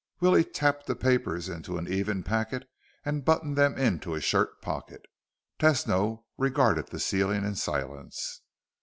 Willie tapped the papers into an even packet and buttoned them into a shirt pocket. Tesno regarded the ceiling in silence.